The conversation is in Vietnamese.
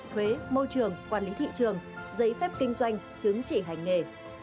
thuế môi trường quản lý thị trường giấy phép kinh doanh chứng chỉ hành nghề